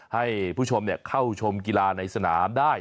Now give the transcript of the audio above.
ให้ผู้ชมเข้าชมกีฬาในสนามได้